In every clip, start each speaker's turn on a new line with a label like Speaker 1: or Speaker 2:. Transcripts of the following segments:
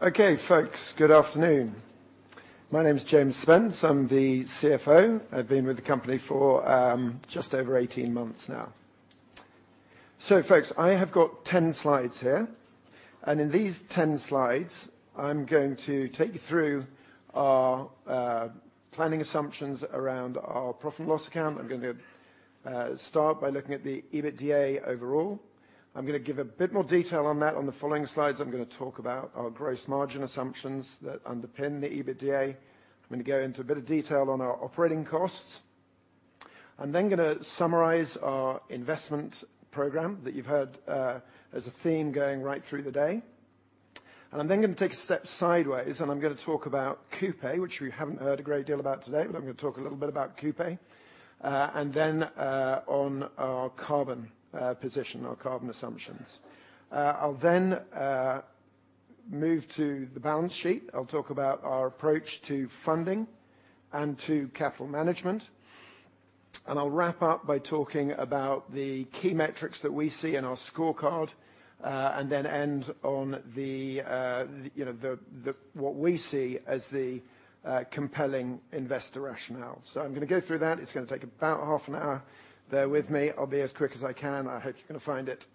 Speaker 1: Okay, folks, good afternoon. My name is James Spence. I'm the CFO. I've been with the company for just over 18 months now. So folks, I have got 10 slides here, and in these 10 slides, I'm going to take you through our planning assumptions around our profit and loss account. I'm gonna start by looking at the EBITDA overall. I'm gonna give a bit more detail on that on the following slides. I'm gonna talk about our gross margin assumptions that underpin the EBITDA. I'm gonna go into a bit of detail on our operating costs. I'm then gonna summarize our investment program that you've heard as a theme going right through the day, and I'm then gonna take a step sideways, and I'm gonna talk about Kupe, which we haven't heard a great deal about today, but I'm gonna talk a little bit about Kupe. And then, on our carbon position, our carbon assumptions. I'll then move to the balance sheet. I'll talk about our approach to funding and to capital management, and I'll wrap up by talking about the key metrics that we see in our scorecard, and then end on the, you know, the what we see as the compelling investor rationale. So I'm gonna go through that. It's gonna take about half an hour. Bear with me. I'll be as quick as I can. I hope you're gonna find it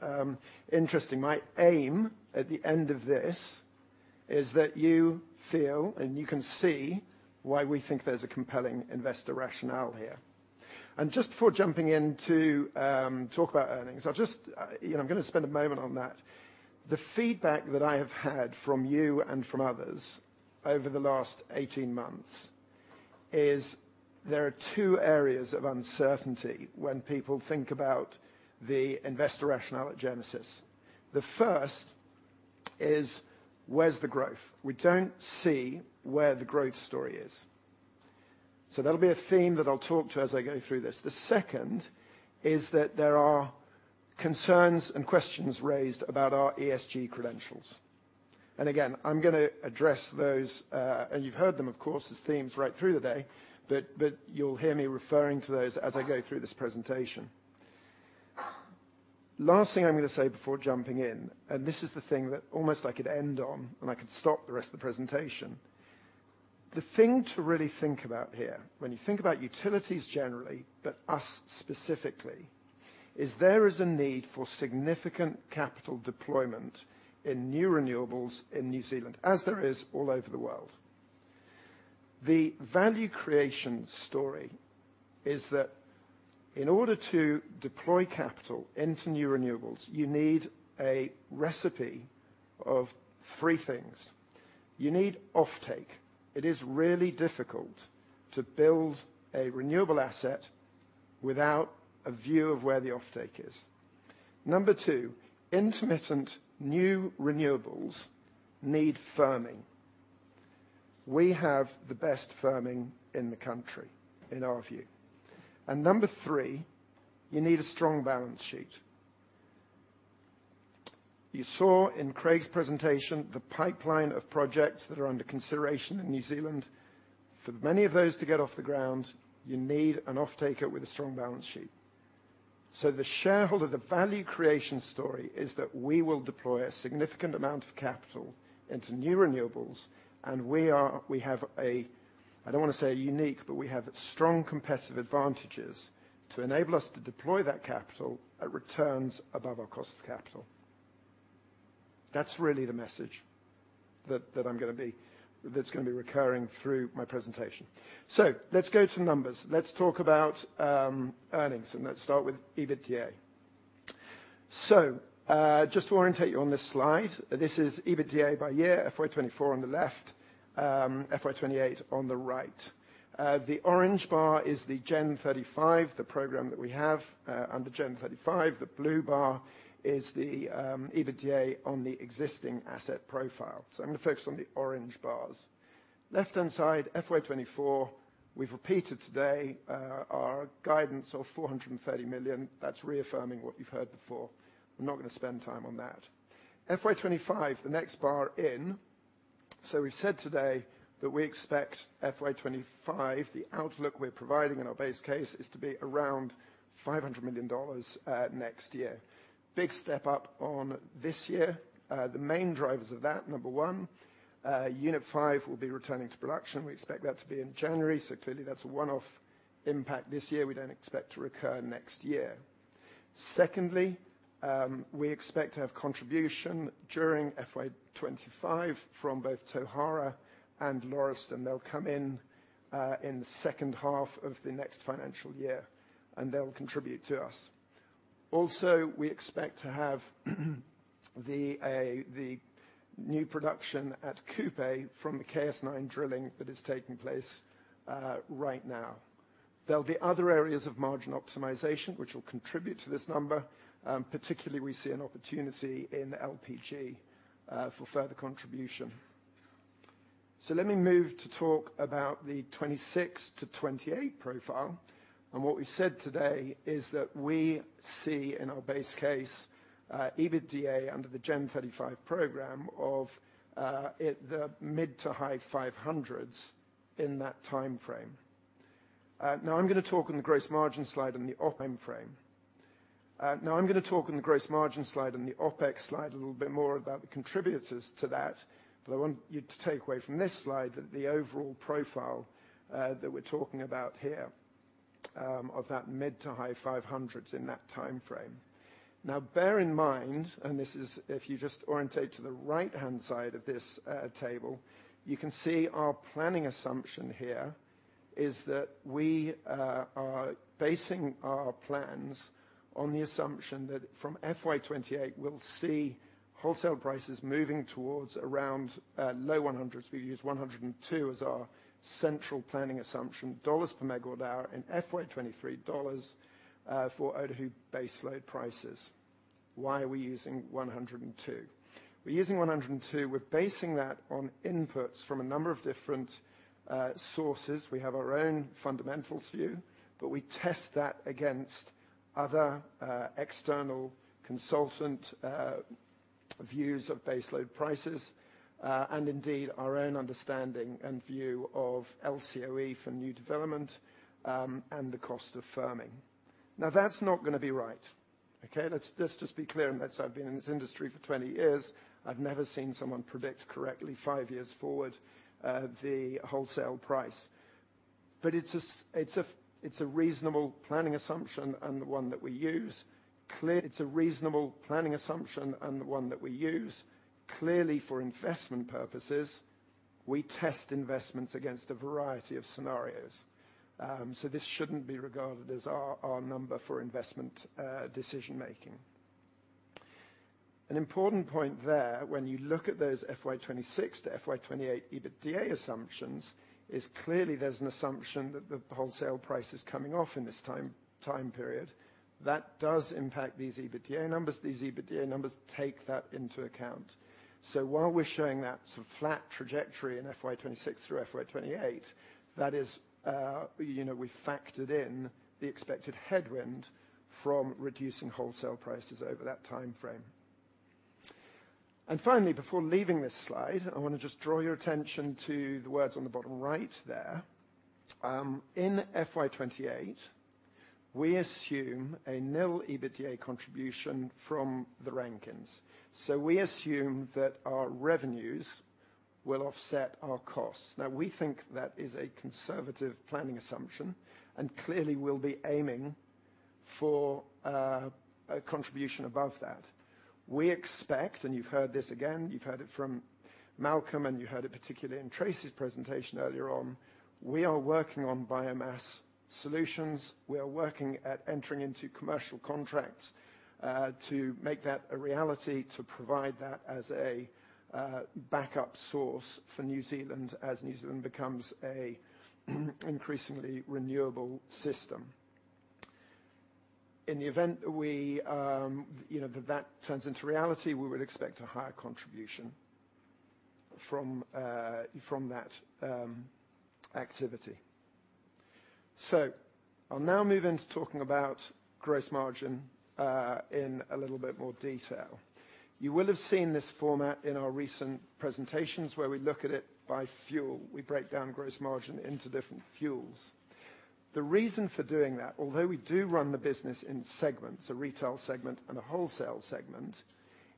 Speaker 1: interesting. My aim, at the end of this, is that you feel, and you can see why we think there's a compelling investor rationale here. And just before jumping in to talk about earnings, I'll just, you know, I'm gonna spend a moment on that. The feedback that I have had from you and from others over the last 18 months is there are two areas of uncertainty when people think about the investor rationale at Genesis. The first is: Where's the growth? We don't see where the growth story is. So that'll be a theme that I'll talk to as I go through this. The second is that there are concerns and questions raised about our ESG credentials, and again, I'm gonna address those, and you've heard them, of course, as themes right through the day, but you'll hear me referring to those as I go through this presentation. Last thing I'm gonna say before jumping in, and this is the thing that almost I could end on, and I could stop the rest of the presentation. The thing to really think about here, when you think about utilities generally, but us specifically, is there is a need for significant capital deployment in new renewables in New Zealand, as there is all over the world. The value creation story is that in order to deploy capital into new renewables, you need a recipe of three things. You need offtake. It is really difficult to build a renewable asset without a view of where the offtake is. Number two, intermittent new renewables need firming. We have the best firming in the country, in our view. And number three, you need a strong balance sheet. You saw in Craig's presentation, the pipeline of projects that are under consideration in New Zealand. For many of those to get off the ground, you need an offtaker with a strong balance sheet. So the shareholder, the value creation story is that we will deploy a significant amount of capital into new renewables, and we are, we have a, I don't want to say unique, but we have strong competitive advantages to enable us to deploy that capital at returns above our cost of capital. That's really the message that, that I'm gonna be, that's gonna be recurring through my presentation. So let's go to numbers. Let's talk about earnings, and let's start with EBITDA. So, just to orientate you on this slide, this is EBITDA by year, FY 2024 on the left, FY 2028 on the right. The orange bar is the Gen35, the program that we have. Under Gen35, the blue bar is the EBITDA on the existing asset profile. So I'm gonna focus on the orange bars. Left-hand side, FY 2024, we've repeated today our guidance of 430 million. That's reaffirming what you've heard before. I'm not gonna spend time on that. FY 2025, the next bar in. So we've said today that we expect FY 2025, the outlook we're providing in our base case is to be around 500 million dollars next year. Big step up on this year. The main drivers of that, number one, Unit 5 will be returning to production. We expect that to be in January, so clearly, that's a one-off impact this year, we don't expect to recur next year. Secondly, we expect to have contribution during FY 2025 from both Tauhara and Lauriston. They'll come in, in the second half of the next financial year, and they'll contribute to us. Also, we expect to have the, the new production at Kupe from the KS-9 drilling that is taking place, right now. There'll be other areas of margin optimization, which will contribute to this number. Particularly, we see an opportunity in LPG, for further contribution. So let me move to talk about the 26-28 profile. What we've said today is that we see in our base case, EBITDA under the Gen35 program of, at the mid- to high 500 million in that timeframe. Now, I'm gonna talk on the Gross Margin slide and the OpEx slide a little bit more about the contributors to that, but I want you to take away from this slide that the overall profile, that we're talking about here, of that mid- to high 500 million in that time frame. Now, bear in mind, and this is, if you just orient to the right-hand side of this table, you can see our planning assumption here is that we are basing our plans on the assumption that from FY 2028, we'll see wholesale prices moving towards around low 100s. We've used 102 as our central planning assumption, NZD 102 per MWh in FY 2023 dollars, for Oahu base load prices. Why are we using 102? We're using 102. We're basing that on inputs from a number of different sources. We have our own fundamentals view, but we test that against other external consultant views of base load prices, and indeed, our own understanding and view of LCOE for new development, and the cost of firming. Now, that's not gonna be right. Okay? Let's, let's just be clear on this. I've been in this industry for 20 years, I've never seen someone predict correctly five years forward, the wholesale price. But it's a, it's a reasonable planning assumption, and the one that we use. Clearly, it's a reasonable planning assumption, and the one that we use. Clearly, for investment purposes, we test investments against a variety of scenarios. So this shouldn't be regarded as our, our number for investment decision-making. An important point there, when you look at those FY 2026 to FY 2028 EBITDA assumptions, is clearly there's an assumption that the wholesale price is coming off in this time period. That does impact these EBITDA numbers. These EBITDA numbers take that into account. So while we're showing that sort of flat trajectory in FY 2026 through FY 2028, that is, you know, we factored in the expected headwind from reducing wholesale prices over that time frame. And finally, before leaving this slide, I wanna just draw your attention to the words on the bottom right there. In FY 2028, we assume a nil EBITDA contribution from the Rankines. So we assume that our revenues will offset our costs. Now, we think that is a conservative planning assumption, and clearly, we'll be aiming for a contribution above that. We expect, and you've heard this again, you've heard it from Malcolm, and you heard it particularly in Tracy's presentation earlier on, we are working on biomass solutions. We are working at entering into commercial contracts to make that a reality, to provide that as a backup source for New Zealand, as New Zealand becomes an increasingly renewable system. In the event that we, you know, that that turns into reality, we would expect a higher contribution from that activity. So I'll now move into talking about gross margin in a little bit more detail. You will have seen this format in our recent presentations, where we look at it by fuel. We break down gross margin into different fuels. The reason for doing that, although we do run the business in segments, a retail segment and a wholesale segment,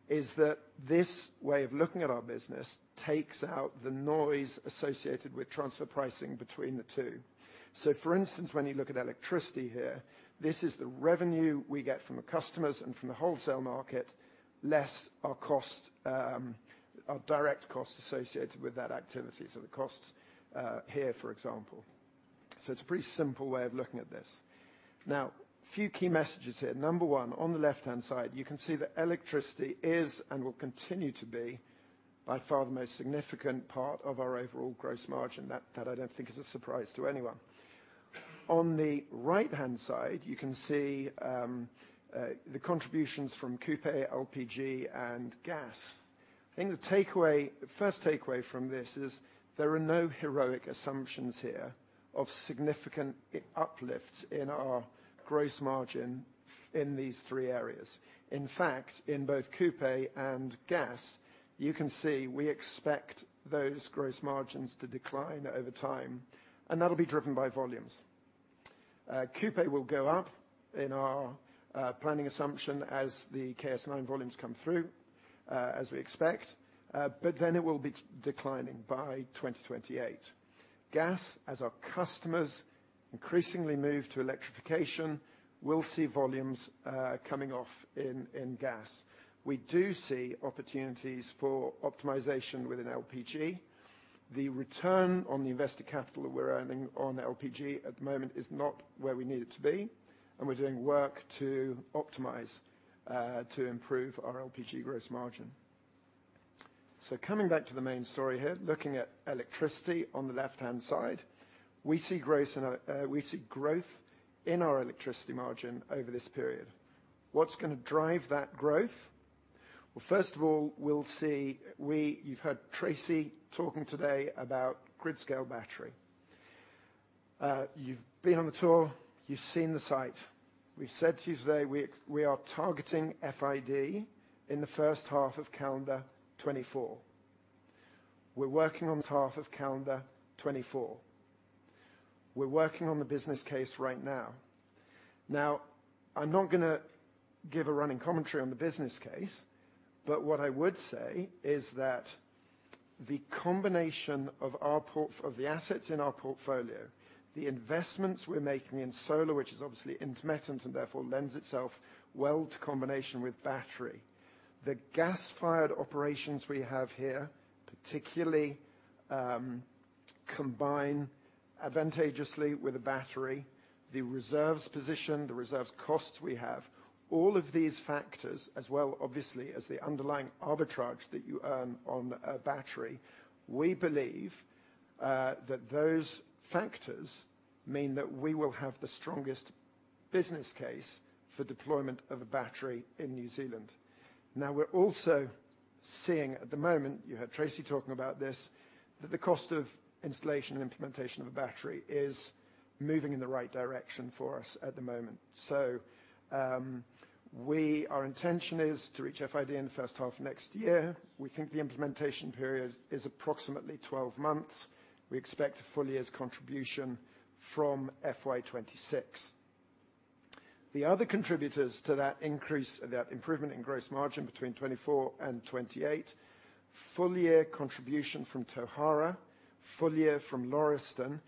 Speaker 1: is that this way of looking at our business takes out the noise associated with transfer pricing between the two. So for instance, when you look at electricity here, this is the revenue we get from the customers and from the wholesale market, less our cost, our direct costs associated with that activity. So the costs, here, for example. So it's a pretty simple way of looking at this. Now, a few key messages here. Number one, on the left-hand side, you can see that electricity is and will continue to be by far the most significant part of our overall gross margin. That I don't think is a surprise to anyone. On the right-hand side, you can see the contributions from Kupe, LPG, and gas. I think the takeaway, first takeaway from this is there are no heroic assumptions here of significant uplifts in our gross margin in these three areas. In fact, in both Kupe and gas, you can see we expect those gross margins to decline over time, and that'll be driven by volumes. Kupe will go up in our planning assumption as the KS-9 volumes come through, as we expect, but then it will be declining by 2028. Gas, as our customers increasingly move to electrification, we'll see volumes coming off in gas. We do see opportunities for optimization within LPG. The return on the invested capital that we're earning on LPG at the moment is not where we need it to be, and we're doing work to optimize, to improve our LPG gross margin. So coming back to the main story here, looking at electricity on the left-hand side, we see growth in our electricity margin over this period. What's gonna drive that growth? Well, first of all, we'll see. You've heard Tracy talking today about grid-scale battery. You've been on the tour, you've seen the site. We've said to you today, we are targeting FID in the first half of calendar 2024. We're working on the first half of calendar 2024. We're working on the business case right now. Now, I'm not gonna give a running commentary on the business case, but what I would say is that the combination of the assets in our portfolio, the investments we're making in solar, which is obviously intermittent, and therefore lends itself well to combination with battery. The gas-fired operations we have here, particularly, combine advantageously with a battery, the reserves position, the reserves costs we have. All of these factors, as well, obviously, as the underlying arbitrage that you earn on a battery, we believe, that those factors mean that we will have the strongest business case for deployment of a battery in New Zealand. Now, we're also seeing at the moment, you heard Tracy talking about this, that the cost of installation and implementation of a battery is moving in the right direction for us at the moment. So, our intention is to reach FID in the first half of next year. We think the implementation period is approximately 12 months. We expect a full year's contribution from FY 2026. The other contributors to that increase, that improvement in gross margin between 2024 and 2028, full year contribution from Tauhara, full year from Lauriston,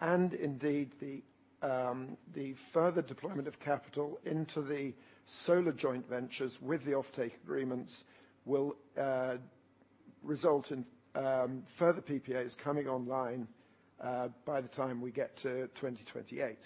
Speaker 1: and indeed, the further deployment of capital into the solar joint ventures with the offtake agreements will result in further PPAs coming online by the time we get to 2028.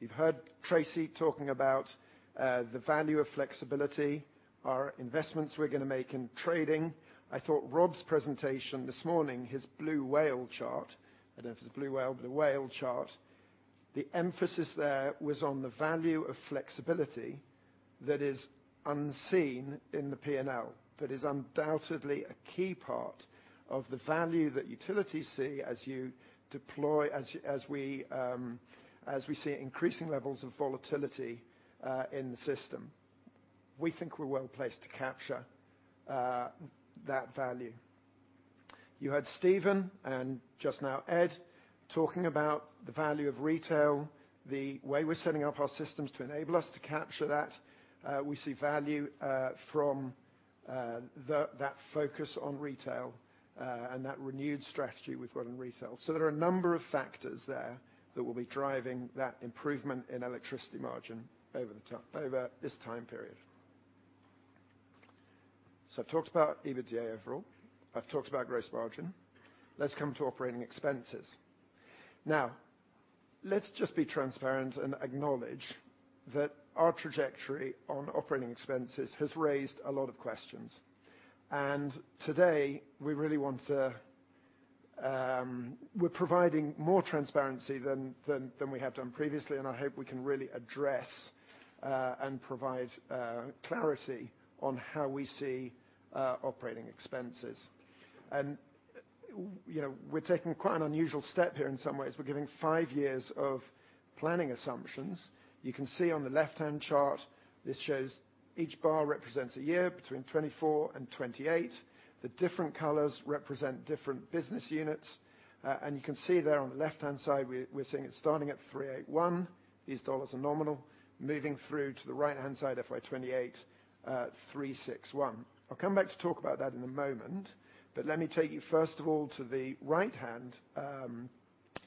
Speaker 1: You've heard Tracy talking about the value of flexibility, our investments we're gonna make in trading. I thought Rob's presentation this morning, his blue whale chart, I don't know if it's blue whale, but the whale chart, the emphasis there was on the value of flexibility that is unseen in the P&L. But is undoubtedly a key part of the value that utilities see as you deploy... as we see increasing levels of volatility in the system. We think we're well placed to capture that value. You heard Stephen, and just now Ed, talking about the value of retail, the way we're setting up our systems to enable us to capture that. We see value from that focus on retail, and that renewed strategy we've got in retail. So there are a number of factors there that will be driving that improvement in electricity margin over the time, over this time period. So I've talked about EBITDA overall. I've talked about gross margin. Let's come to operating expenses. Now, let's just be transparent and acknowledge that our trajectory on operating expenses has raised a lot of questions, and today we really want to... We're providing more transparency than we have done previously, and I hope we can really address and provide clarity on how we see operating expenses. You know, we're taking quite an unusual step here in some ways. We're giving five years of planning assumptions. You can see on the left-hand chart, this shows each bar represents a year between 2024 and 2028. The different colors represent different business units, and you can see there on the left-hand side, we're seeing it starting at 381. These dollars are nominal, moving through to the right-hand side, FY 2028, 361. I'll come back to talk about that in a moment, but let me take you first of all to the right-hand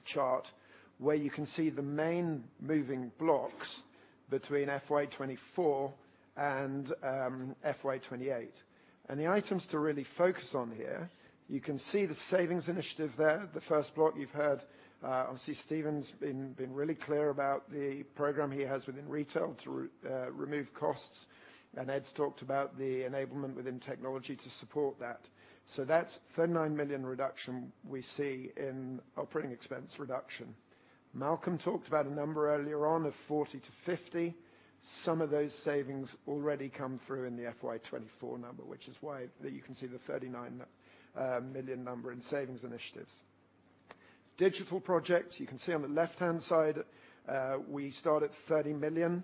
Speaker 1: chart, where you can see the main moving blocks between FY 2024 and FY 2028. The items to really focus on here, you can see the savings initiative there. The first block you've heard, obviously Stephen's been really clear about the program he has within retail to remove costs, and Ed's talked about the enablement within technology to support that. So that's 39 million reduction we see in operating expense reduction. Malcolm talked about a number earlier on, of 40 million-50 million. Some of those savings already come through in the FY 2024 number, which is why that you can see the 39 million number in savings initiatives. Digital projects, you can see on the left-hand side, we start at 30 million.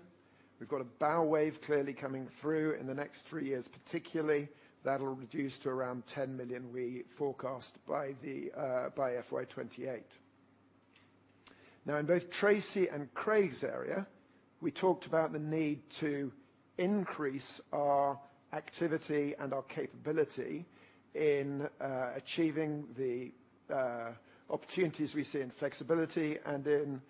Speaker 1: We've got a bow wave clearly coming through in the next three years, particularly, that'll reduce to around 10 million. We forecast by the by FY 2028. Now, in both Tracy and Craig's area, we talked about the need to increase our activity and our capability in achieving the opportunities we see in flexibility and in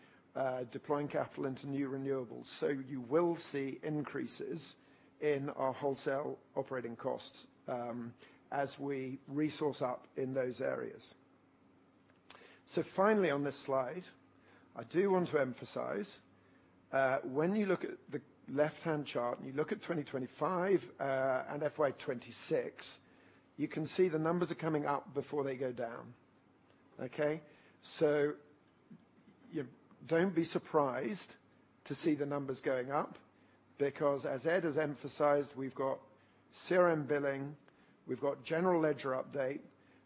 Speaker 1: deploying capital into new renewables. So you will see increases in our wholesale operating costs as we resource up in those areas. So finally on this slide, I do want to emphasize when you look at the left-hand chart, and you look at 2025 and FY 2026, you can see the numbers are coming up before they go down. Okay? So you don't be surprised to see the numbers going up, because as Ed has emphasized, we've got CRM billing, we've got General Ledger Update,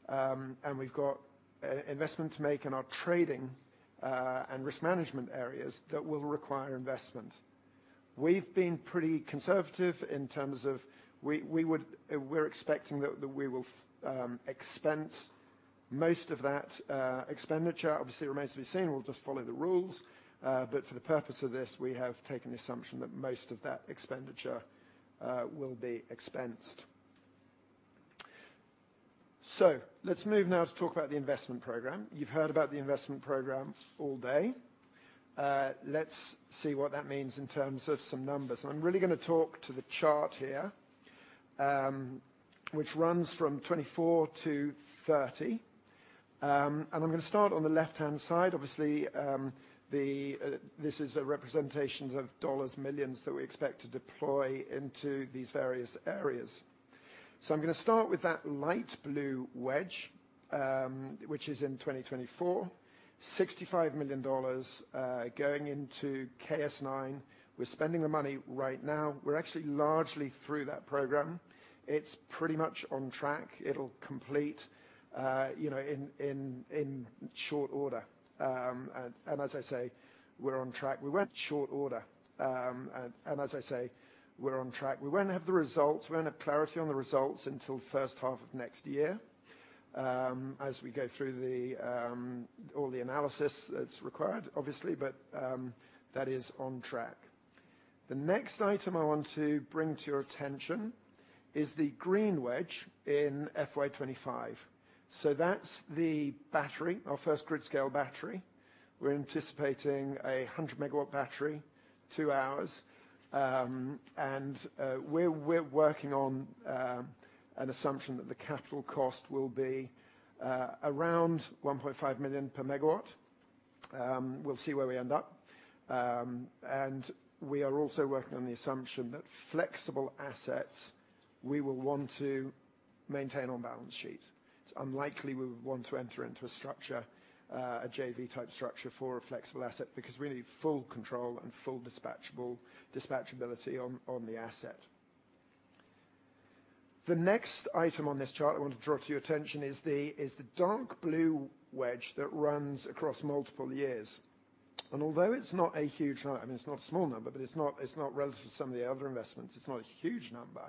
Speaker 1: and we've got investment to make in our trading and risk management areas that will require investment. We've been pretty conservative in terms of we would. We're expecting that we will expense most of that expenditure. Obviously, it remains to be seen. We'll just follow the rules, but for the purpose of this, we have taken the assumption that most of that expenditure will be expensed. So let's move now to talk about the investment program. You've heard about the investment program all day. Let's see what that means in terms of some numbers. I'm really gonna talk to the chart here, which runs from 2024 to 2030. And I'm gonna start on the left-hand side. Obviously, the. This is a representation of dollars, millions, that we expect to deploy into these various areas. So I'm gonna start with that light blue wedge, which is in 2024. 65 million dollars going into KS9. We're spending the money right now. We're actually largely through that program. It's pretty much on track. It'll complete, you know, in short order. And as I say, we're on track. We won't have the results, we won't have clarity on the results until first half of next year. As we go through all the analysis that's required, obviously, but that is on track. The next item I want to bring to your attention is the green wedge in FY 2025. So that's the battery, our first grid-scale battery. We're anticipating a 100-megawatt battery, two hours. And we're working on an assumption that the capital cost will be around 1.5 million per MW. We'll see where we end up. We are also working on the assumption that flexible assets we will want to maintain on balance sheet. It's unlikely we would want to enter into a structure, a JV-type structure for a flexible asset, because we need full control and full dispatchable, dispatchability on the asset. The next item on this chart I want to draw to your attention is the dark blue wedge that runs across multiple years. Although it's not a huge number, I mean, it's not a small number, but it's not relative to some of the other investments. It's not a huge number,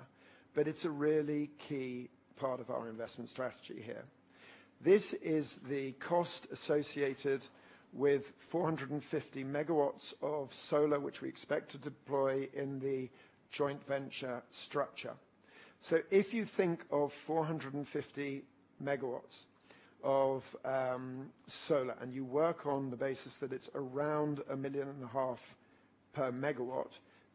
Speaker 1: but it's a really key part of our investment strategy here. This is the cost associated with 450 MW of solar, which we expect to deploy in the joint venture structure. So if you think of 450 MW of solar, and you work on the basis that it's around 1.5 million per MW,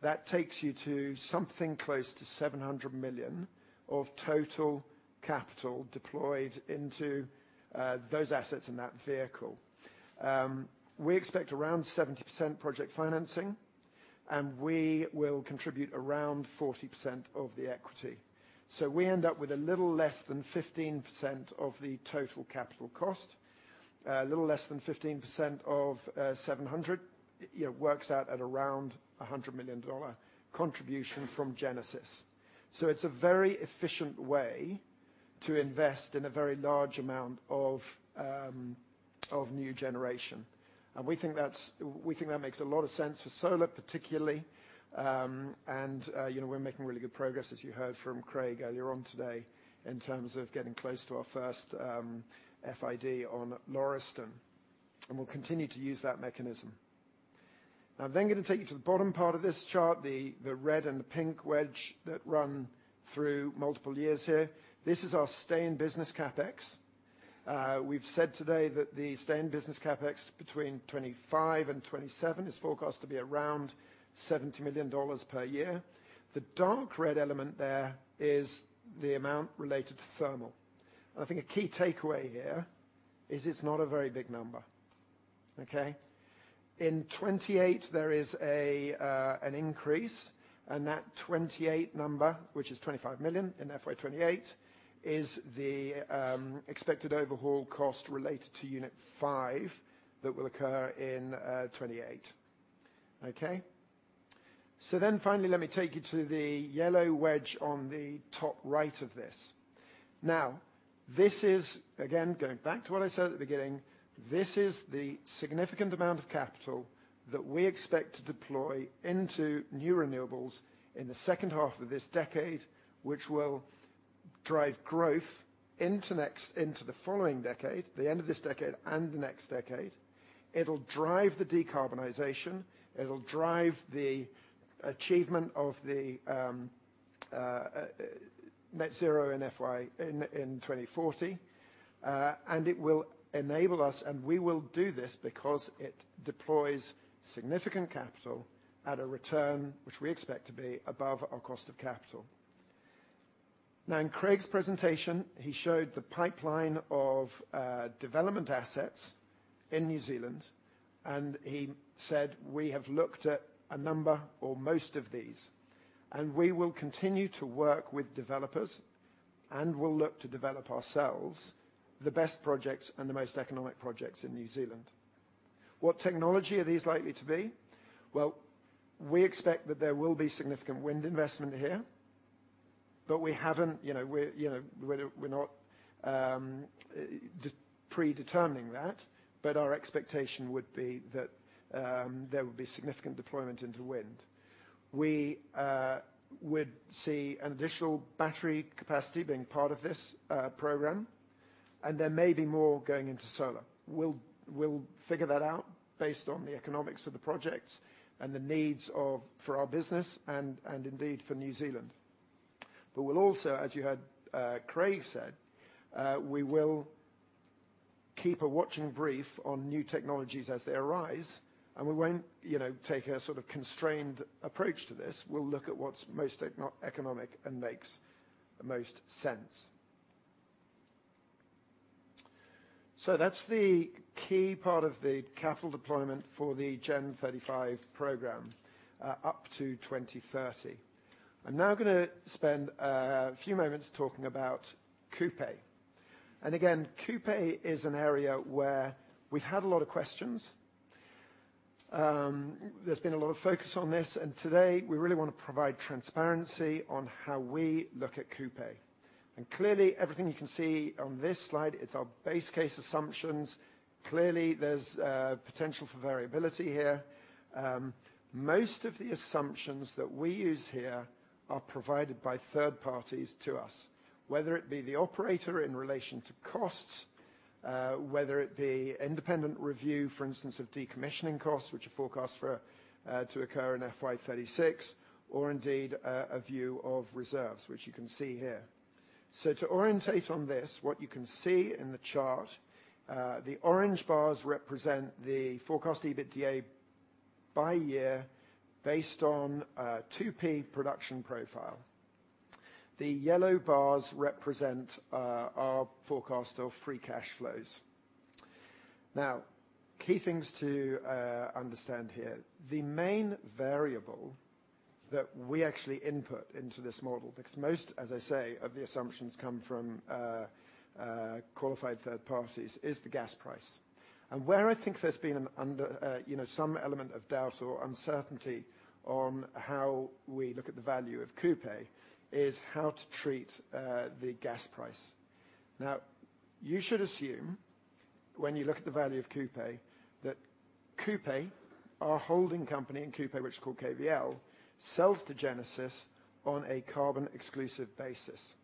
Speaker 1: that takes you to something close to 700 million of total capital deployed into those assets in that vehicle. We expect around 70% project financing, and we will contribute around 40% of the equity. So we end up with a little less than 15% of the total capital cost. A little less than 15% of 700 works out at around a 100 million dollar contribution from Genesis. So it's a very efficient way to invest in a very large amount of new generation. And we think that makes a lot of sense for solar, particularly. You know, we're making really good progress, as you heard from Craig earlier on today, in terms of getting close to our first FID on Lauriston, and we'll continue to use that mechanism. I'm then gonna take you to the bottom part of this chart, the red and the pink wedge that run through multiple years here. This is our stay in business CapEx. We've said today that the stay in business CapEx between 2025 and 2027 is forecast to be around 70 million dollars per year. The dark red element there is the amount related to thermal. And I think a key takeaway here is it's not a very big number, okay? In 2028, there is an increase, and that 2028 number, which is 25 million in FY 2028, is the expected overhaul cost related to unit 5 that will occur in 2028. Okay? So then finally, let me take you to the yellow wedge on the top right of this. Now, this is... Again, going back to what I said at the beginning, this is the significant amount of capital that we expect to deploy into new renewables in the second half of this decade, which will drive growth into next, into the following decade, the end of this decade and the next decade. It'll drive the decarbonization. It'll drive the achievement of the net zero in FY 2040. And it will enable us, and we will do this because it deploys significant capital at a return, which we expect to be above our cost of capital. Now, in Craig's presentation, he showed the pipeline of development assets in New Zealand, and he said, "We have looked at a number or most of these, and we will continue to work with developers, and we'll look to develop ourselves, the best projects and the most economic projects in New Zealand." What technology are these likely to be? Well, we expect that there will be significant wind investment here, but we haven't, you know, we're, you know, we're not just predetermining that, but our expectation would be that there would be significant deployment into wind. We would see an additional battery capacity being part of this program, and there may be more going into solar. We'll figure that out based on the economics of the projects and the needs of our business and indeed for New Zealand. But we'll also, as you heard, Craig said, we will keep a watching brief on new technologies as they arise, and we won't, you know, take a sort of constrained approach to this. We'll look at what's most economic and makes the most sense. So that's the key part of the capital deployment for the Gen35 program up to 2030. I'm now gonna spend a few moments talking about Kupe. And again, Kupe is an area where we've had a lot of questions. There's been a lot of focus on this, and today we really want to provide transparency on how we look at Kupe. Clearly, everything you can see on this slide, it's our base case assumptions. Clearly, there's potential for variability here. Most of the assumptions that we use here are provided by third parties to us, whether it be the operator in relation to costs, whether it be independent review, for instance, of decommissioning costs, which are forecast to occur in FY 2036, or indeed, a view of reserves, which you can see here. So to orientate on this, what you can see in the chart, the orange bars represent the forecast EBITDA by year based on a 2P Production Profile. The yellow bars represent our forecast of free cash flows. Now, key things to understand here. The main variable that we actually input into this model, because most, as I say, of the assumptions come from qualified third parties, is the gas price. And where I think there's been an under, you know, some element of doubt or uncertainty on how we look at the value of Kupe, is how to treat the gas price. Now, you should assume, when you look at the value of Kupe, that Kupe, our holding company in Kupe, which is called KVL, sells to Genesis on a carbon-exclusive basis.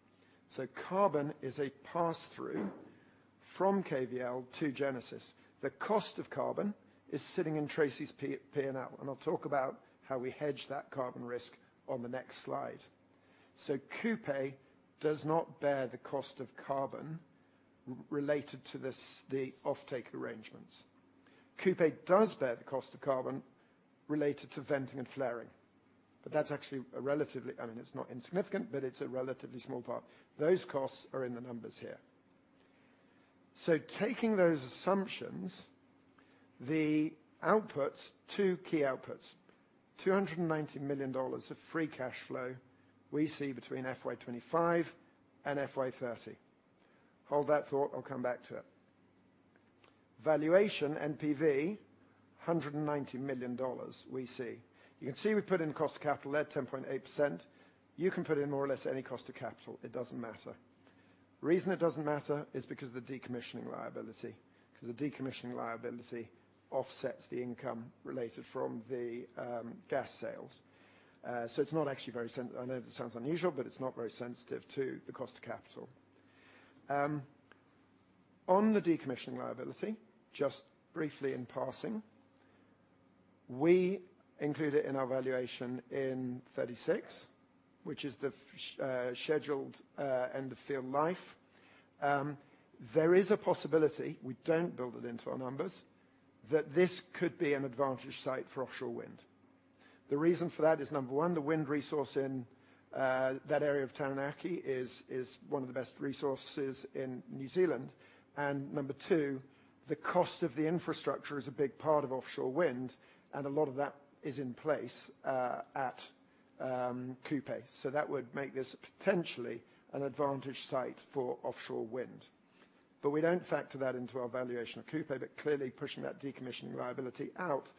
Speaker 1: So carbon is a pass-through from KVL to Genesis. The cost of carbon is sitting in Tracy's P&L, and I'll talk about how we hedge that carbon risk on the next slide. So Kupe does not bear the cost of carbon related to this, the offtake arrangements. Kupe does bear the cost of carbon related to venting and flaring, but that's actually a relatively... I mean, it's not insignificant, but it's a relatively small part. Those costs are in the numbers here. So taking those assumptions, the outputs, two key outputs, 290 million dollars of free cash flow we see between FY 2025 and FY 2030. Hold that thought. I'll come back to it. Valuation NPV, 190 million dollars, we see. You can see we've put in cost of capital there, 10.8%. You can put in more or less any cost of capital; it doesn't matter. The reason it doesn't matter is because of the decommissioning liability. Because the decommissioning liability offsets the income related from the, gas sales. So it's not actually very sensitive. I know this sounds unusual, but it's not very sensitive to the cost of capital. On the decommissioning liability, just briefly in passing, we include it in our valuation in 2036, which is the scheduled end of field life. There is a possibility, we don't build it into our numbers, that this could be an advantage site for offshore wind. The reason for that is, number one, the wind resource in that area of Taranaki is one of the best resources in New Zealand. And number two, the cost of the infrastructure is a big part of offshore wind, and a lot of that is in place at Kupe. So that would make this potentially an advantage site for offshore wind. But we don't factor that into our valuation of Kupe, but clearly, pushing that decommissioning liability out,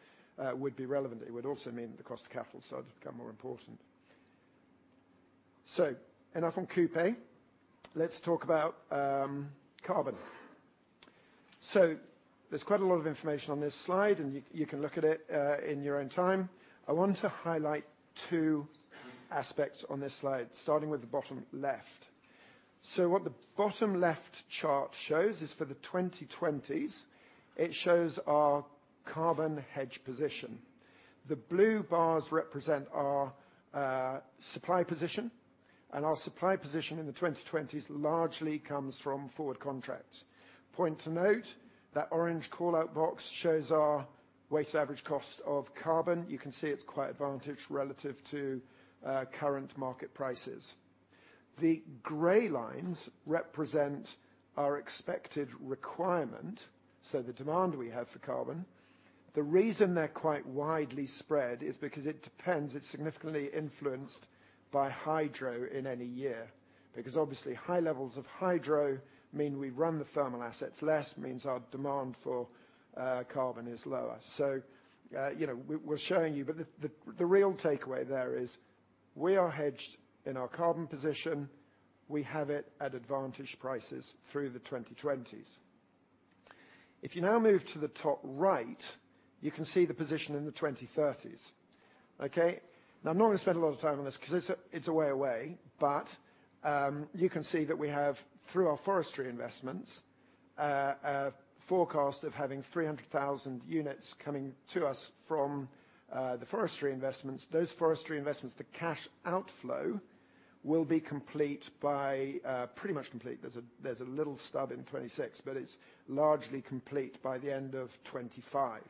Speaker 1: would be relevant. It would also mean the cost of capital start to become more important. So enough on Kupe. Let's talk about, carbon. So there's quite a lot of information on this slide, and you, you can look at it, in your own time. I want to highlight two aspects on this slide, starting with the bottom left. So what the bottom left chart shows is for the 2020s, it shows our Carbon Hedge Position. The blue bars represent our, supply position, and our supply position in the 2020s largely comes from forward contracts. Point to note, that orange call-out box shows our weighted average cost of carbon. You can see it's quite advantaged relative to, current market prices. The gray lines represent our expected requirement, so the demand we have for carbon. The reason they're quite widely spread is because it depends. It's significantly influenced by hydro in any year, because obviously, high levels of hydro mean we run the thermal assets less, means our demand for carbon is lower. So, you know, we're showing you, but the real takeaway there is we are hedged in our carbon position. We have it at advantage prices through the 2020s. If you now move to the top right, you can see the position in the 2030s. Okay? Now, I'm not going to spend a lot of time on this 'cause it's a way away, but you can see that we have, through our forestry investments, a forecast of having 300,000 units coming to us from the forestry investments. Those forestry investments, the cash outflow, will be complete by pretty much complete. There's a little stub in 2026, but it's largely complete by the end of 2025.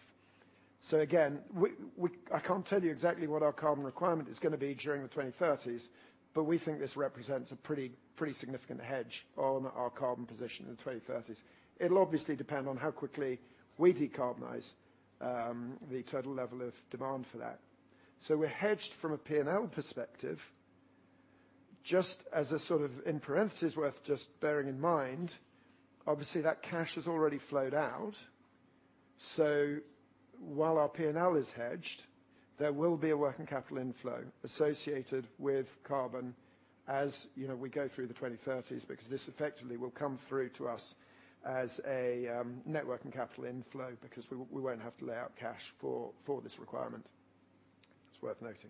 Speaker 1: So again, we I can't tell you exactly what our carbon requirement is gonna be during the 2030s, but we think this represents a pretty, pretty significant hedge on our carbon position in the 2030s. It'll obviously depend on how quickly we decarbonize, the total level of demand for that. So we're hedged from a P&L perspective. Just as a sort of in parentheses worth just bearing in mind, obviously, that cash has already flowed out, so while our P&L is hedged, there will be a working capital inflow associated with carbon as, you know, we go through the 2030s, because this effectively will come through to us as a net working capital inflow, because we won't have to lay out cash for this requirement. It's worth noting.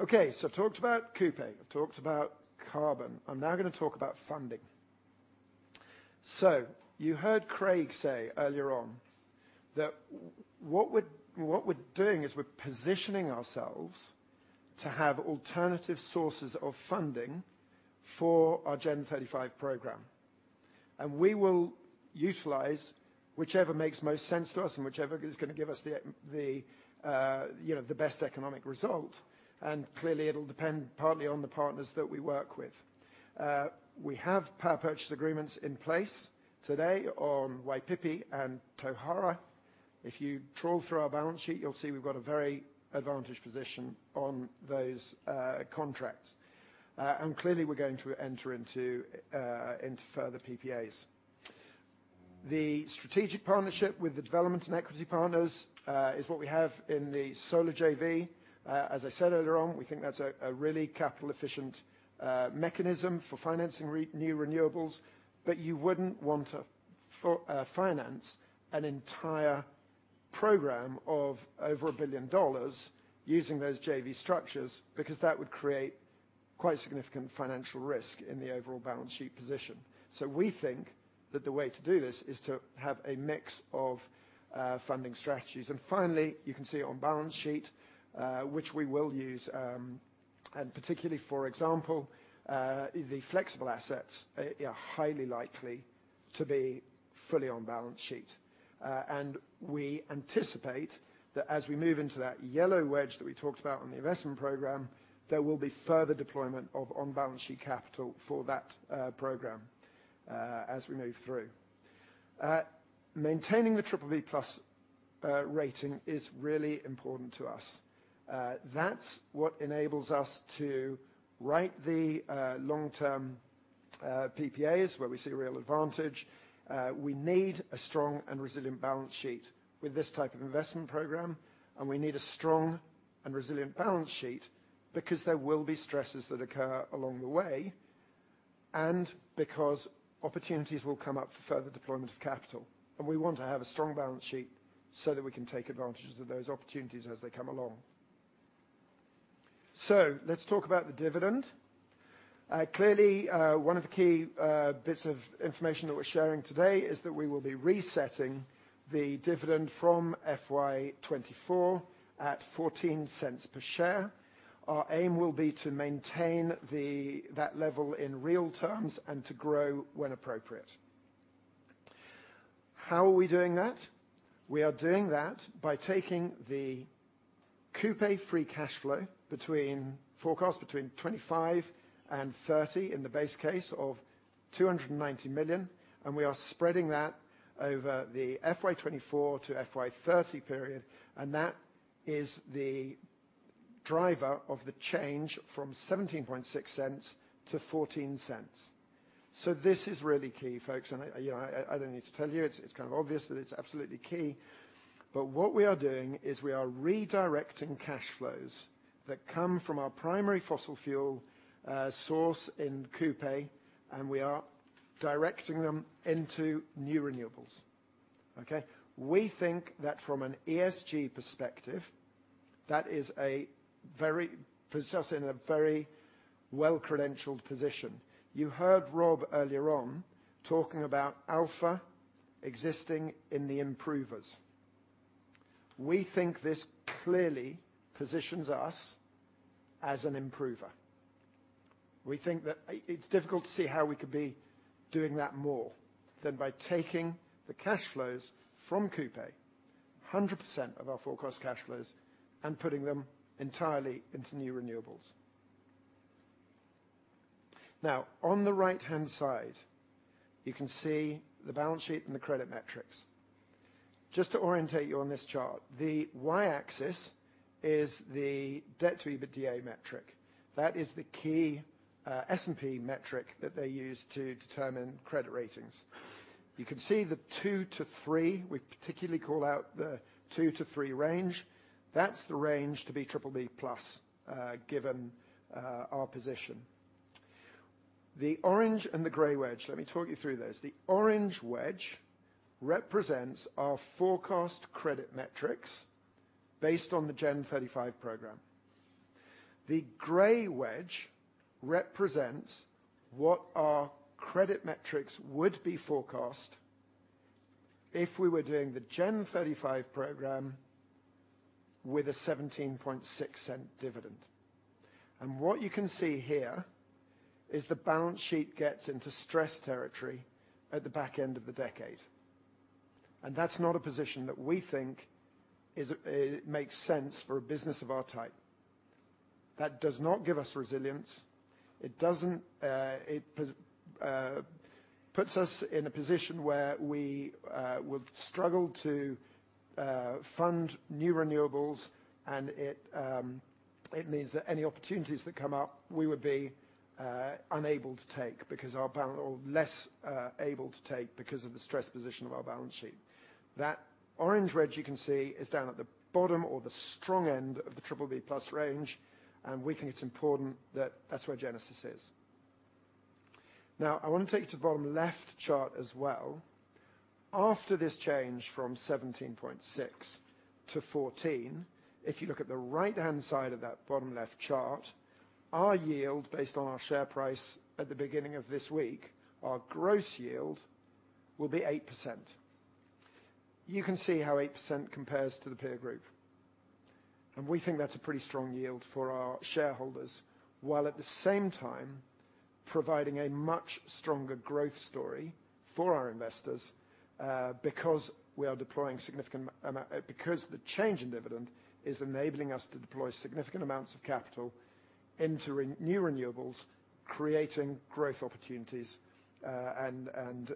Speaker 1: Okay, so I've talked about Kupe, I've talked about carbon. I'm now gonna talk about funding. So you heard Craig say earlier on that what we're doing is we're positioning ourselves to have alternative sources of funding for our Gen35 program, and we will utilize whichever makes most sense to us and whichever is gonna give us the, you know, the best economic result, and clearly, it'll depend partly on the partners that we work with. We have power purchase agreements in place today on Waipipi and Tohora. If you trawl through our balance sheet, you'll see we've got a very advantageous position on those contracts. And clearly, we're going to enter into further PPAs. The strategic partnership with the development and equity partners is what we have in the solar JV. As I said earlier on, we think that's a really capital-efficient mechanism for financing renewables, but you wouldn't want to finance an entire program of over 1 billion dollars using those JV structures, because that would create quite significant financial risk in the overall balance sheet position. So we think that the way to do this is to have a mix of funding strategies. And finally, you can see it on balance sheet, which we will use, and particularly, for example, the flexible assets are highly likely to be fully on-balance sheet. And we anticipate that as we move into that yellow wedge that we talked about on the investment program, there will be further deployment of on-balance sheet capital for that program, as we move through. Maintaining the BBB+ rating is really important to us. That's what enables us to write the long-term PPAs where we see a real advantage. We need a strong and resilient balance sheet with this type of investment program, and we need a strong and resilient balance sheet, because there will be stresses that occur along the way, and because opportunities will come up for further deployment of capital. And we want to have a strong balance sheet so that we can take advantages of those opportunities as they come along. So let's talk about the dividend. Clearly, one of the key bits of information that we're sharing today is that we will be resetting the dividend from FY 2024 at 0.14 per share. Our aim will be to maintain the, that level in real terms and to grow when appropriate. How are we doing that? We are doing that by taking the Kupe free cash flow between... forecasts between 25 and 30 in the base case of 290 million, and we are spreading that over the FY 2024 to FY 2030 period, and that is the driver of the change from 0.176 to 0.14. So this is really key, folks, and, you know, I, I don't need to tell you, it's, it's kind of obvious that it's absolutely key. But what we are doing is we are redirecting cash flows that come from our primary fossil fuel source in Kupe, and we are directing them into new renewables, okay? We think that from an ESG perspective, puts us in a very well-credentialed position. You heard Rob earlier on talking about alpha existing in the improvers. We think this clearly positions us as an improver. We think that it's difficult to see how we could be doing that more than by taking the cash flows from Kupe, 100% of our forecast cash flows, and putting them entirely into new renewables. Now, on the right-hand side, you can see the balance sheet and the credit metrics. Just to orientate you on this chart, the Y-axis is the debt to EBITDA metric. That is the key S&P metric that they use to determine credit ratings. You can see the two to three, we particularly call out the two to three range. That's the range to be BBB+, given our position. The orange and the gray wedge, let me talk you through those. The orange wedge represents our forecast credit metrics based on the Gen35 program. The gray wedge represents what our credit metrics would be forecast if we were doing the Gen35 program with a 0.176 dividend. What you can see here is the balance sheet gets into stress territory at the back end of the decade, and that's not a position that we think is, makes sense for a business of our type. That does not give us resilience. It doesn't... It puts us in a position where we would struggle to fund new renewables, and it means that any opportunities that come up, we would be unable to take because our balance-- or less able to take, because of the stress position of our balance sheet. That orange wedge you can see is down at the bottom or the strong end of the BBB+ range, and we think it's important that that's where Genesis is. Now, I want to take you to the bottom left chart as well. After this change from 0.176 to 0.14, if you look at the right-hand side of that bottom left chart, our yield, based on our share price at the beginning of this week, our gross yield will be 8%. You can see how 8% compares to the peer group, and we think that's a pretty strong yield for our shareholders, while at the same time providing a much stronger growth story for our investors, because we are deploying significant amounts of capital into renewables, creating growth opportunities, and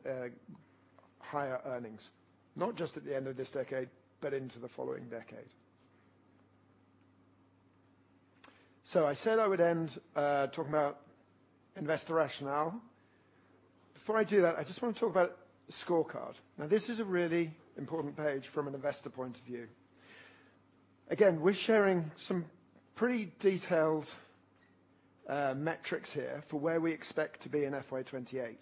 Speaker 1: higher earnings, not just at the end of this decade, but into the following decade. So I said I would end talking about investor rationale. Before I do that, I just want to talk about the scorecard. Now, this is a really important page from an investor point of view. Again, we're sharing some pretty detailed metrics here for where we expect to be in FY 2028.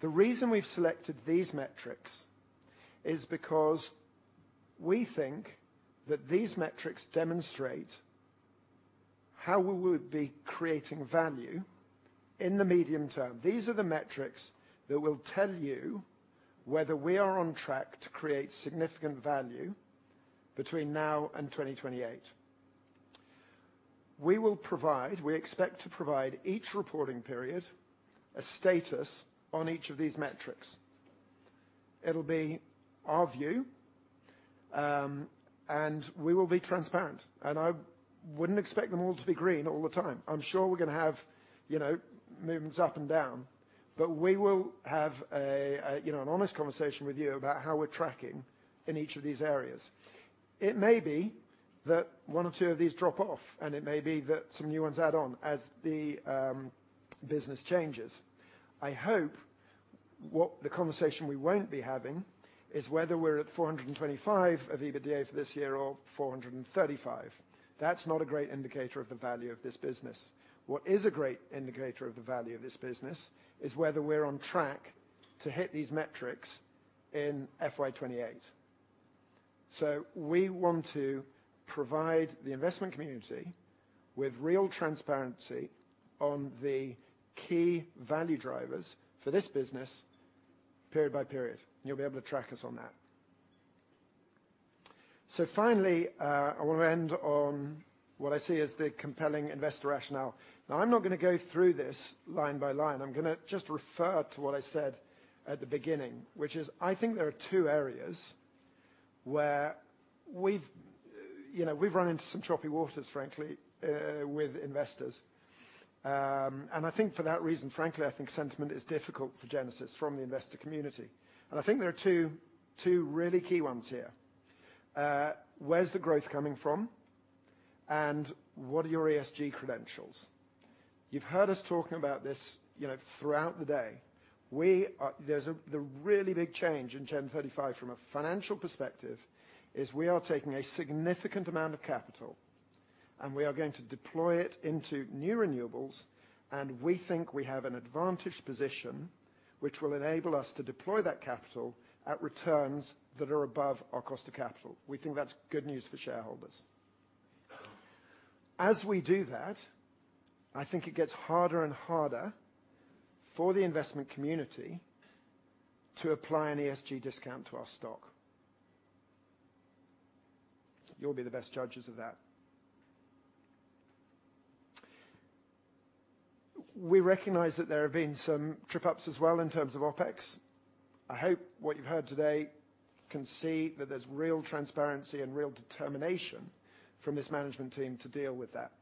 Speaker 1: The reason we've selected these metrics is because we think that these metrics demonstrate how we would be creating value in the medium term. These are the metrics that will tell you whether we are on track to create significant value between now and 2028. We expect to provide each reporting period, a status on each of these metrics. It'll be our view, and we will be transparent, and I wouldn't expect them all to be green all the time. I'm sure we're gonna have, you know, movements up and down, but we will have, you know, an honest conversation with you about how we're tracking in each of these areas. It may be that one or two of these drop off, and it may be that some new ones add on as the business changes. I hope what the conversation we won't be having is whether we're at 425 million EBITDA for this year or 435 million. That's not a great indicator of the value of this business. What is a great indicator of the value of this business is whether we're on track to hit these metrics in FY 2028. So we want to provide the investment community with real transparency on the key value drivers for this business, period by period, and you'll be able to track us on that. So finally, I want to end on what I see as the compelling investor rationale. Now, I'm not gonna go through this line by line. I'm gonna just refer to what I said at the beginning, which is, I think there are two areas where we've, you know, we've run into some choppy waters, frankly, with investors. I think for that reason, frankly, I think sentiment is difficult for Genesis from the investor community, and I think there are two really key ones here: where's the growth coming from, and what are your ESG credentials? You've heard us talking about this, you know, throughout the day. The really big change in Gen35 from a financial perspective is we are taking a significant amount of capital, and we are going to deploy it into new renewables, and we think we have an advantaged position, which will enable us to deploy that capital at returns that are above our cost of capital. We think that's good news for shareholders. As we do that, I think it gets harder and harder for the investment community to apply an ESG discount to our stock. You'll be the best judges of that. We recognize that there have been some trip-ups as well, in terms of OpEx. I hope what you've heard today can see that there's real transparency and real determination from this management team to deal with that.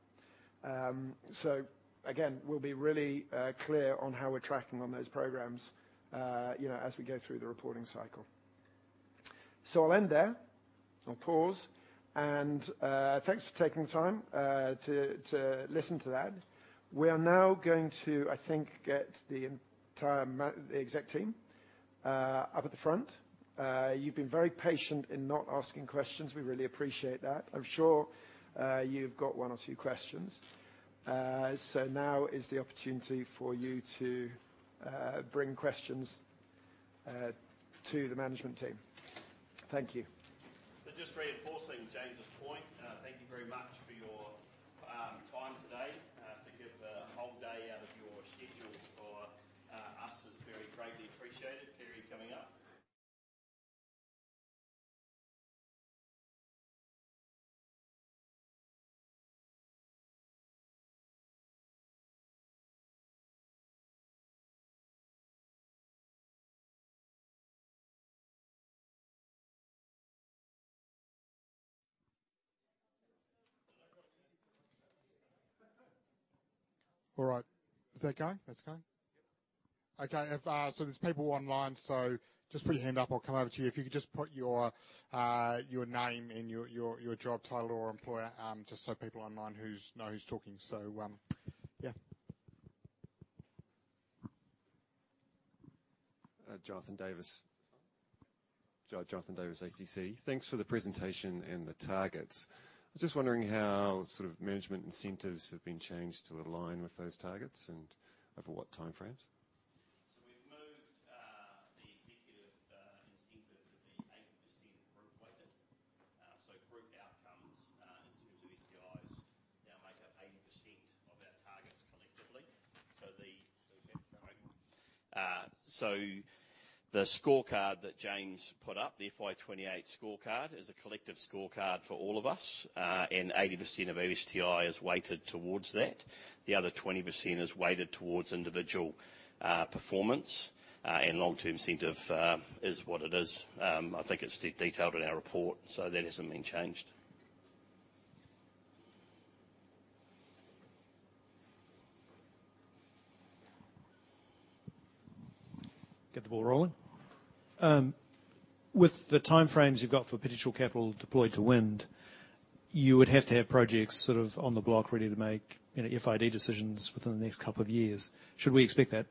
Speaker 1: So again, we'll be really clear on how we're tracking on those programs, you know, as we go through the reporting cycle. So I'll end there. I'll pause, and thanks for taking the time to listen to that. We are now going to, I think, get the entire exec team up at the front. You've been very patient in not asking questions. We really appreciate that. I'm sure you've got one or two questions. So now is the opportunity for you to bring questions to the management team. Thank you.
Speaker 2: So just reinforcing James's point, thank you very much for your time today. To give a whole day out of your schedule for us is very greatly appreciated. Terry, coming up.
Speaker 3: All right. Is that going? That's going?
Speaker 2: Yep.
Speaker 3: Okay, so there's people online, so just put your hand up. I'll come over to you. If you could just put your name and your job title or employer, just so people online know who's talking. So, yeah.
Speaker 4: Jonathan Davis, ACC. Thanks for the presentation and the targets. I was just wondering how sort of management incentives have been changed to align with those targets and over what time frames?
Speaker 2: So we've moved the executive incentive to be 80% group weighted. So group outcomes in terms of STIs now make up 80% of our targets collectively. So the scorecard that James put up, the FY 2028 scorecard, is a collective scorecard for all of us, and 80% of our STI is weighted towards that. The other 20% is weighted towards individual performance, and long-term incentive is what it is. I think it's detailed in our report, so that hasn't been changed.
Speaker 1: Get the ball rolling.
Speaker 5: With the time frames you've got for potential capital deployed to wind, you would have to have projects sort of on the block, ready to make, you know, FID decisions within the next couple of years. Should we expect that?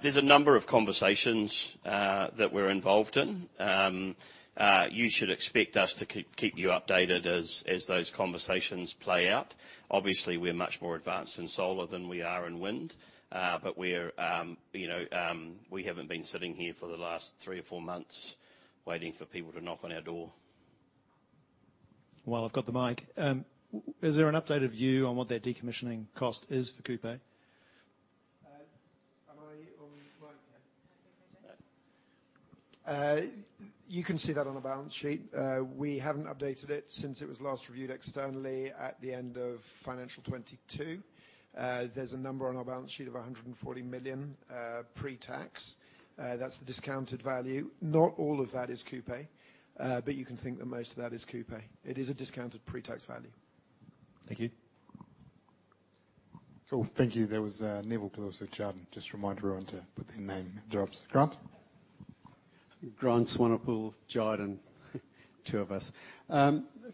Speaker 2: There's a number of conversations that we're involved in. You should expect us to keep you updated as those conversations play out. Obviously, we're much more advanced in solar than we are in wind, but we're, you know, we haven't been sitting here for the last three or four months waiting for people to knock on our door.
Speaker 5: While I've got the mic, is there an updated view on what that decommissioning cost is for Kupe?
Speaker 1: You can see that on the balance sheet. We haven't updated it since it was last reviewed externally at the end of financial 2022. There's a number on our balance sheet of 140 million, pre-tax. That's the discounted value. Not all of that is Kupe, but you can think that most of that is Kupe. It is a discounted pre-tax value.
Speaker 5: Thank you.
Speaker 6: Cool, thank you. There was, Nevill Gluyas with Jarden. Just a reminder to everyone to put their name and jobs. Grant?
Speaker 7: Grant Swanepoel, Jarden. Two of us.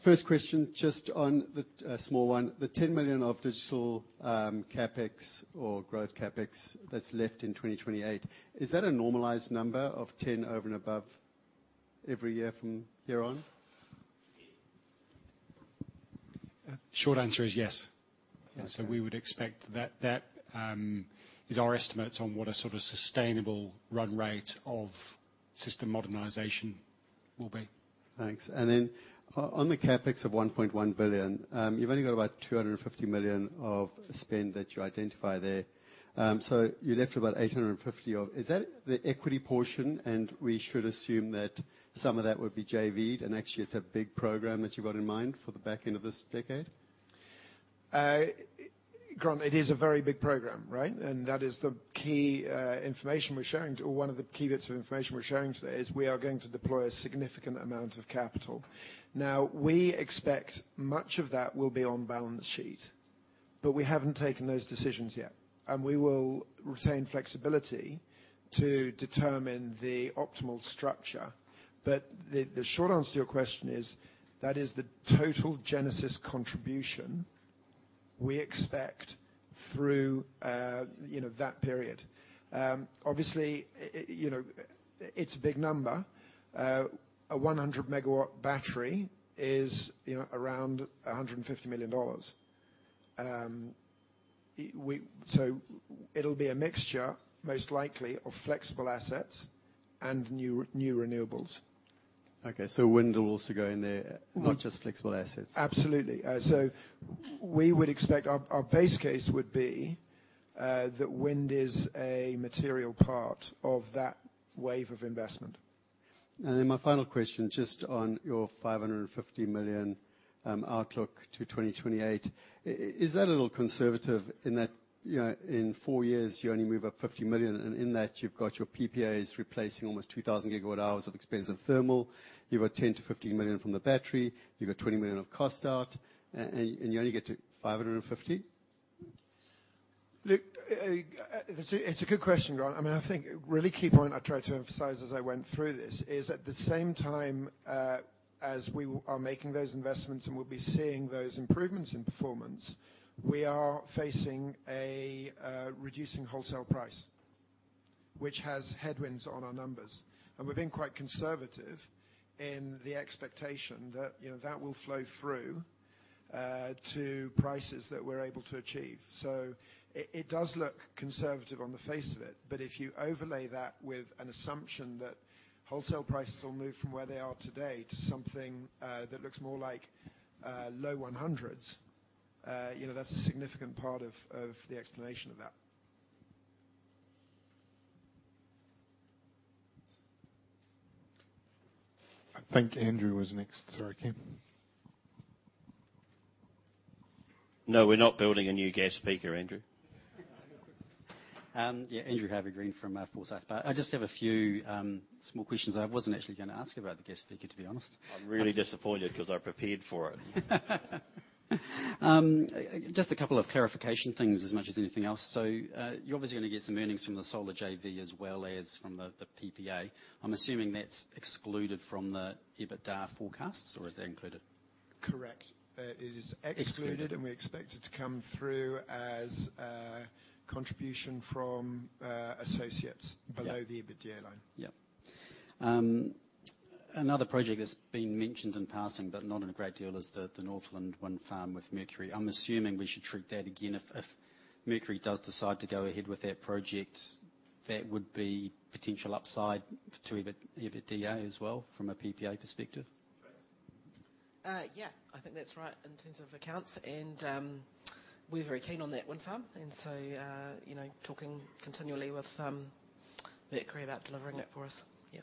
Speaker 7: First question, just on the small one, the 10 million of digital CapEx or growth CapEx that's left in 2028, is that a normalized number of 10 over and above every year from here on?
Speaker 1: Short answer is yes. Yes, so we would expect that is our estimates on what a sort of sustainable run rate of system modernization will be.
Speaker 7: Thanks. Then on the CapEx of 1.1 billion, you've only got about 250 million of spend that you identify there. So you're left with about 850 million of... Is that the equity portion, and we should assume that some of that would be JV'd, and actually, it's a big program that you've got in mind for the back end of this decade?
Speaker 1: Grant, it is a very big program, right? And that is the key information we're sharing, or one of the key bits of information we're sharing today, is we are going to deploy a significant amount of capital. Now, we expect much of that will be on balance sheet, but we haven't taken those decisions yet, and we will retain flexibility to determine the optimal structure. But the short answer to your question is: that is the total Genesis contribution we expect through, you know, that period. Obviously, you know, it's a big number. A 100 MW battery is, you know, around 150 million dollars. So it'll be a mixture, most likely, of flexible assets and new renewables.
Speaker 7: Okay, so wind will also go in there, not just flexible assets.
Speaker 1: Absolutely. So we would expect our base case would be that wind is a material part of that wave of investment.
Speaker 7: And then my final question, just on your 550 million outlook to 2028, is that a little conservative in that, you know, in four years you only move up 50 million, and in that, you've got your PPAs replacing almost 2,000 GWh of expensive thermal, you've got 10 million-15 million from the battery, you've got 20 million of cost out, and you only get to 550 million?...
Speaker 1: Look, it's a good question, Grant. I mean, I think a really key point I tried to emphasize as I went through this is at the same time, as we are making those investments, and we'll be seeing those improvements in performance, we are facing a reducing wholesale price, which has headwinds on our numbers. And we've been quite conservative in the expectation that, you know, that will flow through, to prices that we're able to achieve. So it does look conservative on the face of it, but if you overlay that with an assumption that wholesale prices will move from where they are today to something that looks more like low 100s, you know, that's a significant part of the explanation of that.
Speaker 6: I think Andrew was next. Sorry, Ken.
Speaker 2: No, we're not building a new gas peaker, Andrew.
Speaker 8: Yeah, Andrew Harvey-Green from Forsyth Barr. I just have a few small questions. I wasn't actually going to ask about the gas peaker, to be honest.
Speaker 2: I'm really disappointed because I prepared for it.
Speaker 8: Just a couple of clarification things as much as anything else. So, you're obviously going to get some earnings from the solar JV as well as from the PPA. I'm assuming that's excluded from the EBITDA forecasts, or is that included?
Speaker 1: Correct. It is excluded-
Speaker 8: Excluded.
Speaker 1: -and we expect it to come through as, contribution from, associates-
Speaker 8: Yeah
Speaker 1: - below the EBITDA line.
Speaker 8: Yep. Another project that's been mentioned in passing, but not in a great deal, is the Northland wind farm with Mercury. I'm assuming we should treat that again, if Mercury does decide to go ahead with that project, that would be potential upside to EBITDA as well, from a PPA perspective?
Speaker 6: Yeah, I think that's right in terms of accounts and we're very keen on that wind farm, and so you know, talking continually with Mercury about delivering it for us. Yeah.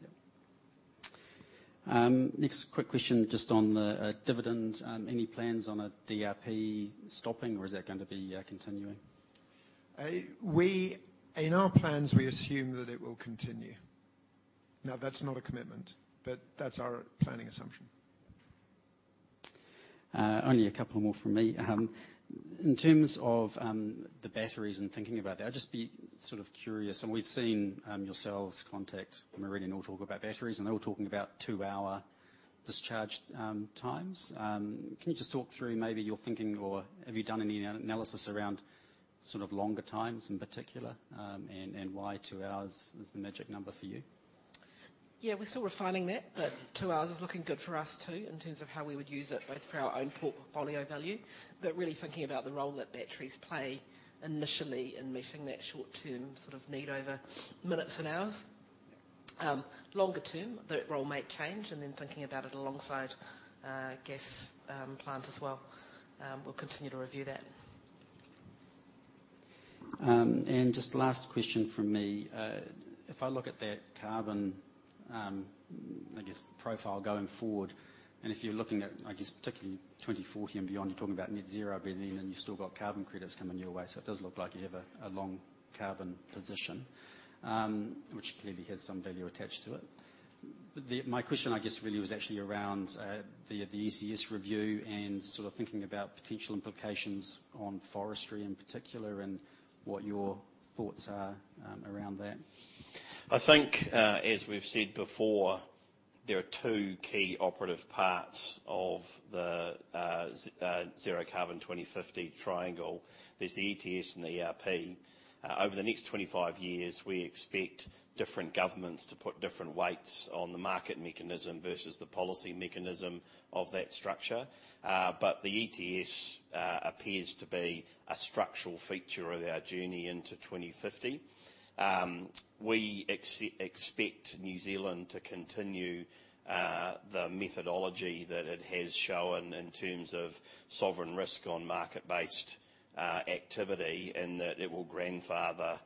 Speaker 8: Yep. Next quick question, just on the dividend. Any plans on a DRP stopping, or is that going to be continuing?
Speaker 1: In our plans, we assume that it will continue. Now, that's not a commitment, but that's our planning assumption.
Speaker 8: Only a couple more from me. In terms of the batteries and thinking about that, I'd just be sort of curious, and we've seen yourselves, Contact, Meridian all talk about batteries, and they're all talking about two-hour discharge times. Can you just talk through maybe your thinking, or have you done any analysis around sort of longer times in particular, and why two hours is the magic number for you?
Speaker 6: Yeah, we're still refining that, but two hours is looking good for us, too, in terms of how we would use it, both for our own portfolio value, but really thinking about the role that batteries play initially in meeting that short-term sort of need over minutes and hours. Longer term, that role might change, and then thinking about it alongside, gas, plant as well. We'll continue to review that.
Speaker 8: Just last question from me. If I look at that carbon, I guess profile going forward, and if you're looking at, I guess, particularly 2040 and beyond, you're talking about net zero by then, and you've still got carbon credits coming your way, so it does look like you have a, a long carbon position, which clearly has some value attached to it. My question, I guess, really was actually around, the ETS review and sort of thinking about potential implications on forestry in particular and what your thoughts are, around that.
Speaker 2: I think, as we've said before, there are two key operative parts of the, Zero Carbon 2050 triangle. There's the ETS and the ERP. Over the next 25 years, we expect different governments to put different weights on the market mechanism versus the policy mechanism of that structure. But the ETS appears to be a structural feature of our journey into 2050. We expect New Zealand to continue the methodology that it has shown in terms of sovereign risk on market-based activity, and that it will grandfather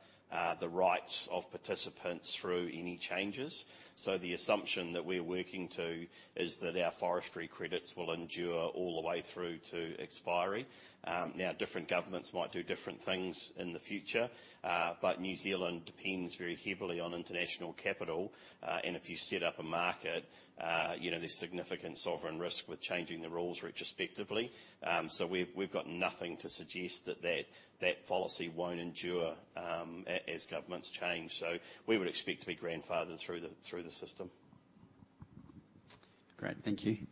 Speaker 2: the rights of participants through any changes. So the assumption that we're working to is that our forestry credits will endure all the way through to expiry. Now, different governments might do different things in the future, but New Zealand depends very heavily on international capital. And if you set up a market, you know, there's significant sovereign risk with changing the rules retrospectively. So we've got nothing to suggest that policy won't endure as governments change. So we would expect to be grandfathered through the system.
Speaker 8: Great. Thank you.
Speaker 6: Sorry,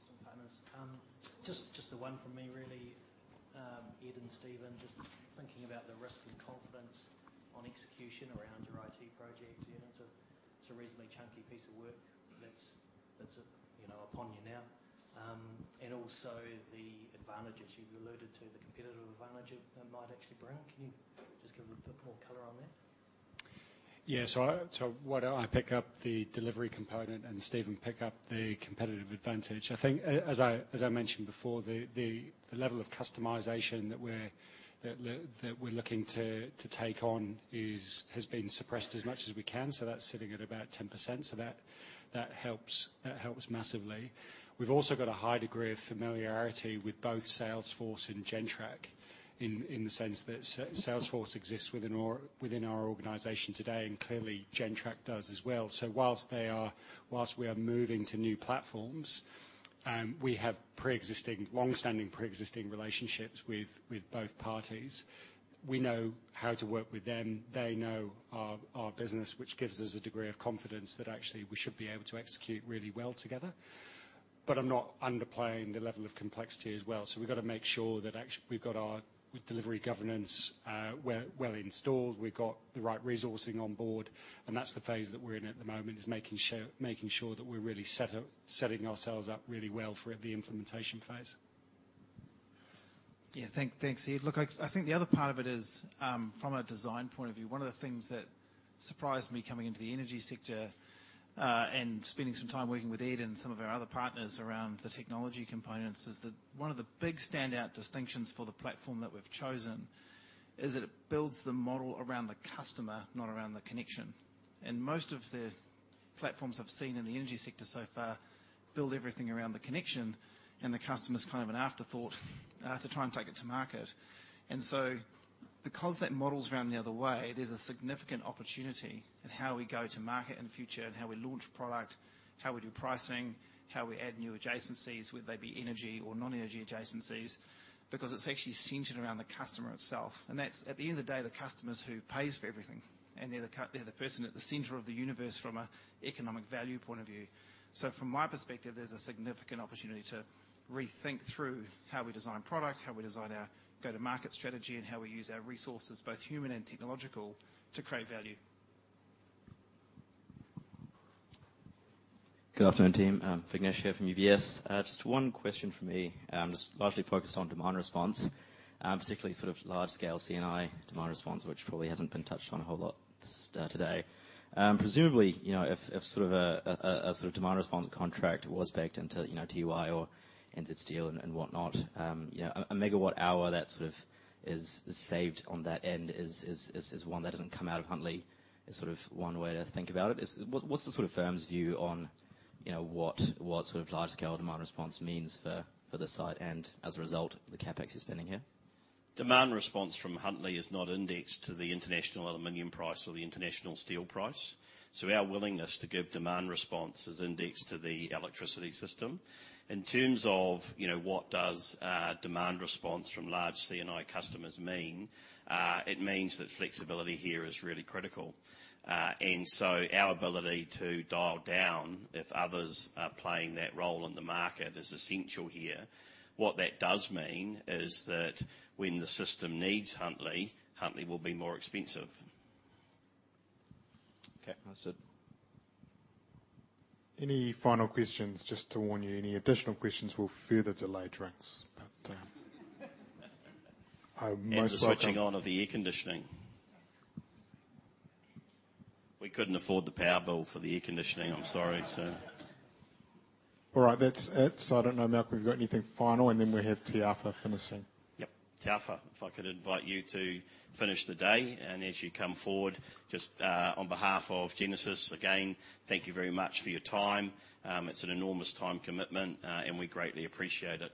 Speaker 6: just on payments. Just the one from me really. Ed and Stephen, just thinking about the risk and confidence on execution around your IT project, you know, it's a reasonably chunky piece of work that's upon you now. And also the advantages. You've alluded to the competitive advantage it might actually bring. Can you just give a bit more color on that?
Speaker 9: Yeah, so why don't I pick up the delivery component, and Stephen pick up the competitive advantage? I think, as I mentioned before, the level of customization that we're looking to take on has been suppressed as much as we can, so that's sitting at about 10%. So that helps massively. We've also got a high degree of familiarity with both Salesforce and Gentrack in the sense that Salesforce exists within our organization today, and clearly, Gentrack does as well. So whilst we are moving to new platforms, we have preexisting, long-standing, preexisting relationships with both parties. We know how to work with them. They know our business, which gives us a degree of confidence that actually we should be able to execute really well together. But I'm not underplaying the level of complexity as well, so we've got to make sure that we've got our delivery governance, well installed, we've got the right resourcing on board, and that's the phase that we're in at the moment, is making sure that we're really set up, setting ourselves up really well for the implementation phase.
Speaker 10: Yeah. Thanks, Ed. Look, I think the other part of it is, from a design point of view, one of the things that surprised me coming into the energy sector, and spending some time working with Ed and some of our other partners around the technology components, is that one of the big standout distinctions for the platform that we've chosen is that it builds the model around the customer, not around the connection. And most of the platforms I've seen in the energy sector so far build everything around the connection, and the customer's kind of an afterthought, to try and take it to market. And so because that model's around the other way, there's a significant opportunity in how we go to market in the future, and how we launch product, how we do pricing, how we add new adjacencies, whether they be energy or non-energy adjacencies, because it's actually centered around the customer itself. And that's, at the end of the day, the customer is who pays for everything, and they're the person at the center of the universe from an economic value point of view. So from my perspective, there's a significant opportunity to rethink through how we design product, how we design our go-to-market strategy, and how we use our resources, both human and technological, to create value.
Speaker 11: Good afternoon, team. Vignesh here from UBS. Just one question from me, just largely focused on demand response, particularly sort of large-scale C&I demand response, which probably hasn't been touched on a whole lot today. Presumably, you know, if sort of a sort of demand response contract was backed into, you know, Tuai or NZ Steel and whatnot, you know, a megawatt-hour that sort of is saved on that end is one that doesn't come out of Huntly, is sort of one way to think about it. Is what’s the sort of firm’s view on, you know, what sort of large-scale demand response means for the site and as a result, the CapEx you’re spending here?
Speaker 2: Demand response from Huntly is not indexed to the international aluminum price or the international steel price, so our willingness to give demand response is indexed to the electricity system. In terms of, you know, what does demand response from large C&I customers mean? It means that flexibility here is really critical. And so our ability to dial down if others are playing that role in the market is essential here. What that does mean is that when the system needs Huntly, Huntly will be more expensive.
Speaker 11: Okay, that's it.
Speaker 6: Any final questions? Just to warn you, any additional questions will further delay drinks, but, I'm most welcome-
Speaker 2: The switching on of the air conditioning. We couldn't afford the power bill for the air conditioning. I'm sorry, sir.
Speaker 6: All right. That's it. I don't know, Malcolm, if you've got anything final, and then we have Tiafa finishing.
Speaker 2: Yep. Tiafa, if I could invite you to finish the day, and as you come forward, just, on behalf of Genesis, again, thank you very much for your time. It's an enormous time commitment, and we greatly appreciate it.